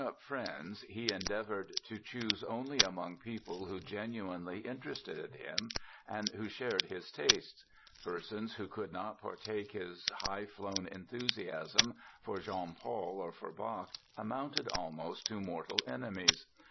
] His grown up friends he endeavored to choose only among people who genuinely interested him and who shared his tastes. Persons who could not partake his high flown enthusiasm for Jean Paul or for Bach amounted almost to mortal enemies!